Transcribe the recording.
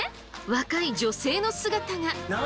若い女性の姿が。